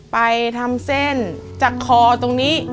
ไปทำเส้นจากคอตรงนี้